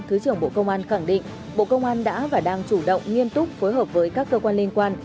thứ trưởng bộ công an khẳng định bộ công an đã và đang chủ động nghiêm túc phối hợp với các cơ quan liên quan